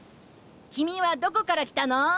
君はどこから来たの？